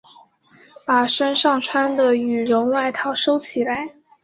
把身上穿的羽绒外套收起来